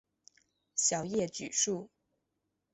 小叶榉树